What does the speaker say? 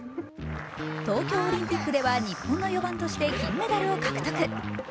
東京オリンピックでは日本の４番として金メダルを獲得。